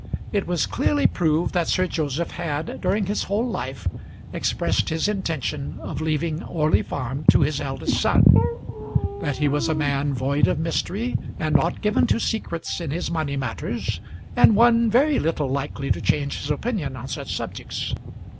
It was clearly proved that Sir Joseph had during his whole life expressed his intention of leaving Orley Farm to his eldest son; that he was a man void of mystery, and not given to secrets in his money matters, and one very little likely to change his opinion on such subjects.